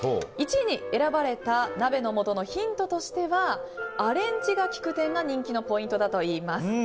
１位に選ばれた鍋の素のヒントとしてはアレンジが利く点が人気のポイントだといいます。